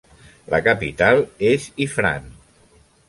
La capital és Ifrane.